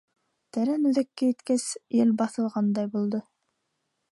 Тәрән үҙәккә еткәс, ел баҫылғандай булды.